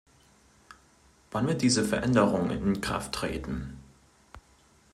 Wann wird diese Veränderung in Kraft treten?